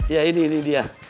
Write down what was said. ya ini ini dia